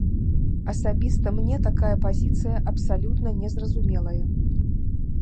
Асабіста мне такая пазіцыя абсалютна не зразумелая.